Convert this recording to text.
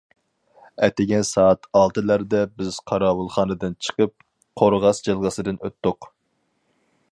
ئەتىگەن سائەت ئالتىلەردە بىز قاراۋۇلخانىدىن چىقىپ، قورغاس جىلغىسىدىن ئۆتتۇق.